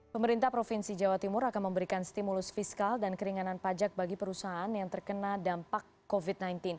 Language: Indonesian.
pemerintah provinsi jawa timur akan memberikan stimulus fiskal dan keringanan pajak bagi perusahaan yang terkena dampak covid sembilan belas